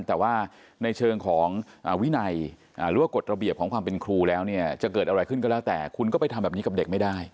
แต่ว่าในเชิงของวินัยหรือว่ากฎระเบียบของความเป็นครูแล้วเนี่ยจะเกิดอะไรขึ้นก็แล้วแต่คุณก็ไปทำแบบนี้กับเด็กไม่ได้